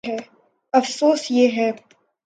افسوس، یہ ہے۔